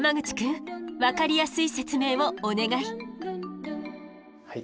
分かりやすい説明をお願い。